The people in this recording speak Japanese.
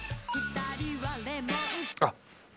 あっ。